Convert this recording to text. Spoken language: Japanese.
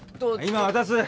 今渡す！